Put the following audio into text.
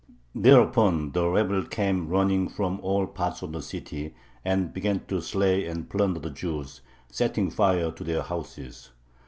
Thereupon the rabble came running from all parts of the city and began to slay and plunder the Jews, setting fire to their houses.